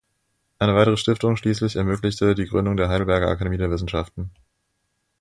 Eine weitere Stiftung schließlich ermöglichte die Gründung der Heidelberger Akademie der Wissenschaften.